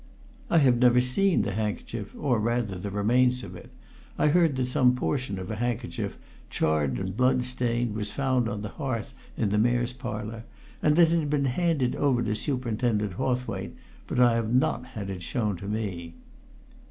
"I have never seen the handkerchief, or, rather, the remains of it. I heard that some portion of a handkerchief, charred and blood stained, was found on the hearth in the Mayor's Parlour, and that it had been handed over to Superintendent Hawthwaite, but I have not had it shown to me."